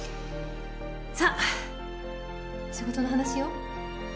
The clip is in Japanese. さっ仕事の話よ。